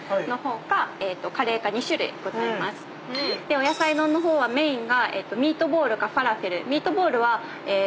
お野菜丼の方はメインがミートボールかファラフェル。